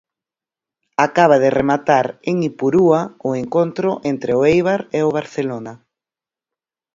Acaba de rematar en Ipurúa o encontro entre o Eibar e o Barcelona.